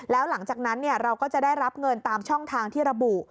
แล้วหลังจากนั้นเราก็จะได้รับเงินตามช่องทางที่ระบุ